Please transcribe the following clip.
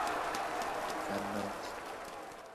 فلاّت